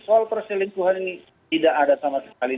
soal perselingkuhan ini tidak ada sama sekali